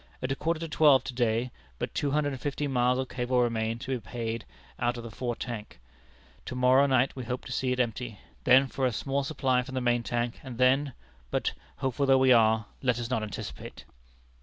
At a quarter to twelve to day but two hundred and fifteen miles of cable remained to be paid out of the fore tank. To morrow night we hope to see it empty then, for a small supply from the main tank, and then but, hopeful though we are, let us not anticipate.